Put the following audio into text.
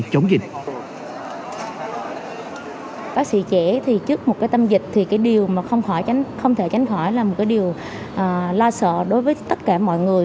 bác sĩ trẻ thì trước một cái tâm dịch thì cái điều mà không thể tránh khỏi là một cái điều lo sợ đối với tất cả mọi người